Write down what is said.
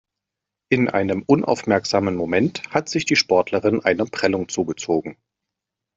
In einem unaufmerksamen Moment hat sich die Sportlerin eine Prellung zugezogen.